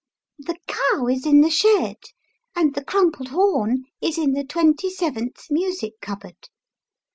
The cow is in the shed, and the crumpled horn is in the twenty seventh music cupboard."